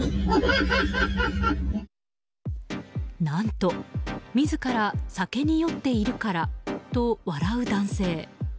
何と自ら酒に酔っているからと笑う男性。